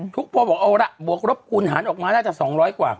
ทุกคนบอกเอาละบวกรบคูณหันออกมาน่าจะ๒๐๐กว่า